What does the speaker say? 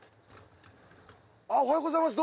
おはようございます。